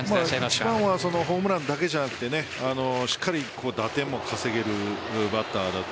一番はホームランだけじゃなくてしっかり打点も稼げるバッターだと。